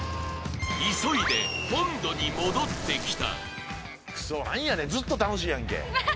急いで本土に戻ってきた。